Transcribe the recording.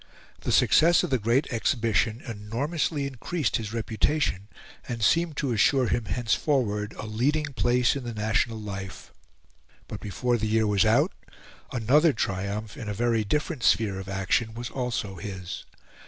The success of the Great Exhibition enormously increased his reputation and seemed to assure him henceforward a leading place in the national life. But before the year was out another triumph, in a very different sphere of action, was also his.